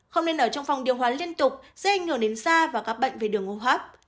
không nên ở trong phòng điêu hoa liên tục sẽ ảnh hưởng đến da và các bệnh về đường hô hấp